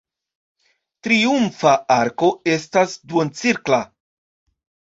Triumfa arko estas duoncirkla.